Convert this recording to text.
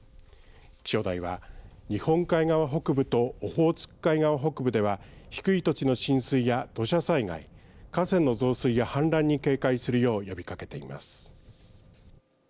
気象台は日本海側北部とオホーツク海側北部では低い土地の浸水や土砂災害河川の増水や氾濫に警戒するよう呼びかけています。